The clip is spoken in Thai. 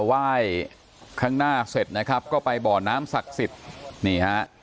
ไหว้ข้างหน้าเสร็จนะครับก็ไปบ่อน้ำศักดิ์สิทธิ์นี่ฮะ